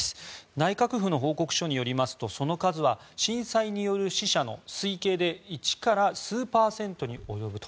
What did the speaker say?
内閣府の報告書によりますとその数は震災による死者の推計で１数パーセントに及ぶと。